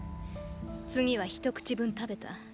次は一口分食べた。